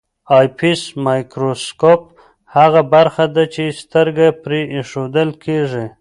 آی پیس د مایکروسکوپ هغه برخه ده چې سترګه پرې ایښودل کیږي.